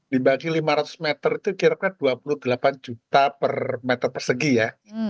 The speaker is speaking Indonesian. dibagi lima ratus meter itu kira kira dua puluh delapan juta per meter persegi ya